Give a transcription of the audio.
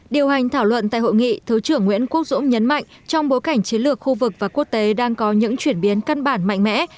điều hành thảo luận tại hội nghị thứ trưởng nguyễn quốc dũng nhấn mạnh trong bối cảnh chiến lược khu vực và quốc tế đang có những chuyển biến căn bản mạnh mẽ